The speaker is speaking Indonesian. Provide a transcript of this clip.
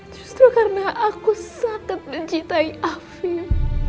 justru karena aku sakit mencintai afif